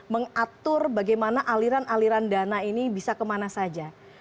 mengatur bagaimana aliran aliran dana ini bisa kemana saja